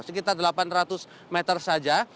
sekitar delapan ratus meter saja